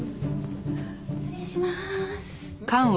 失礼します。